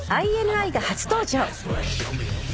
ＩＮＩが初登場。